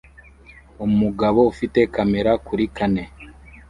Umugabo ufite kamera kuri kane